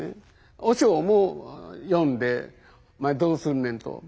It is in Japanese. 和尚も読んで「お前どうすんねん」と。